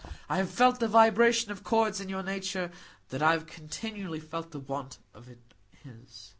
I have felt the vibration of chords in your nature that I have continually felt the want of in his.